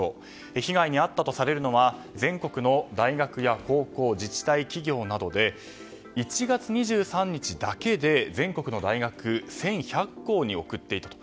被害に遭ったとされるのは全国の大学や高校、自治体、企業などで１月２３日だけで全国の大学１１００校に送っていたと。